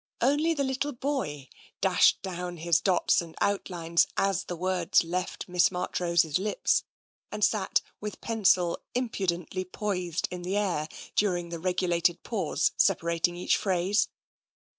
Only the little boy dashed down his dots and outlines as the words left Miss Marchrose's lips, and sat with pencil impudently poised in the air during the regulated pause separating each phrase.